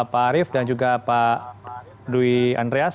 pak arief dan juga pak dwi andreas